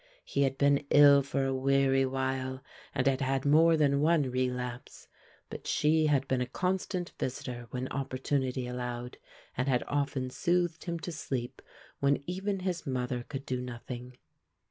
He had been ill for a weary while and had had more than one relapse but she had been a constant visitor when opportunity allowed, and had often soothed him to sleep when even his mother could do nothing.